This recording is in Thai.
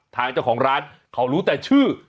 ทางเจ้าของร้านเขารู้แต่ชื่อ